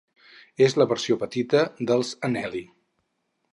És la versió petita dels anelli.